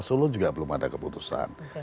solo juga belum ada keputusan